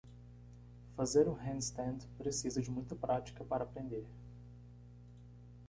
Fazer um handstand precisa de muita prática para aprender.